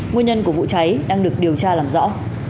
nguyên nhân của vụ cháy đang được điều tra làm rõ